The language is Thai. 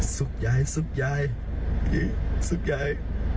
สุขยายสุขยายสุขยาย